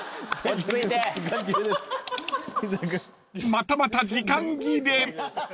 ［またまた時間切れ！］